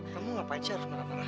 kamu gak pacar